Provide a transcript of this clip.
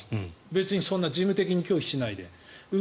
別に事務的に拒否しないで。